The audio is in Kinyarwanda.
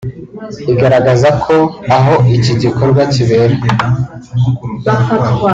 igaragaza ko aho iki gikorwa kibera